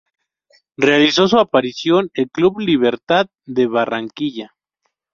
Realizó su aparición el club Libertad de Barranquilla.